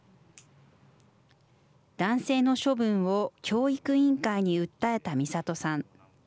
男性の処分を教育委員会に訴えたみさとさん。